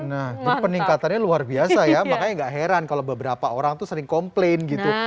nah jadi peningkatannya luar biasa ya makanya gak heran kalau beberapa orang tuh sering komplain gitu